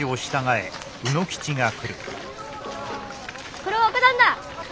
これは若旦那！